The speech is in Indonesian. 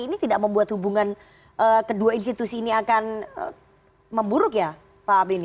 ini tidak membuat hubungan kedua institusi ini akan memburuk ya pak beni